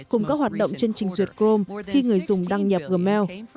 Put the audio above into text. cùng các hoạt động chương trình duyệt chrome khi người dùng đăng nhập gmail